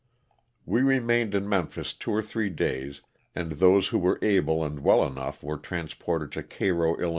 We remained in Memphis two or three days and those who were able and well enough were transported to Cairo, 111.